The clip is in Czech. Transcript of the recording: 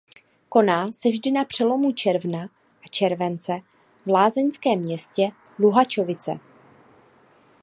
Koná se vždy na přelomu června a července v lázeňském městě Luhačovice.